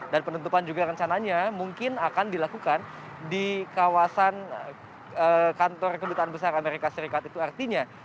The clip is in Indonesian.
dan penutupan juga rencananya mungkin akan dilakukan di kawasan kantor kedutaan besar amerika serikat itu artinya